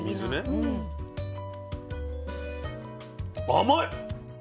甘い！